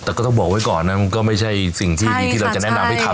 แต่ก็ต้องบอกไว้ก่อนนะมันก็ไม่ใช่สิ่งที่ดีที่เราจะแนะนำให้ทำ